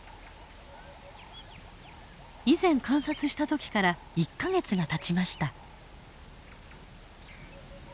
以前観察した時から１か月がたちました。